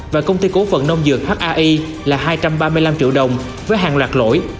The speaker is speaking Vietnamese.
và công ty cố phận nông dược hai là hai trăm ba mươi năm triệu đồng với hàng loạt lỗi